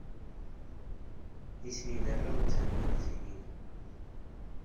Nitni d arraw n teɛmumatin-inu.